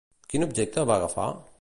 Quin objecte va agafar?